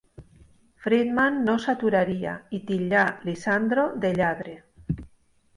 Friedman no s'aturaria, i titllà Lisandro de "lladre".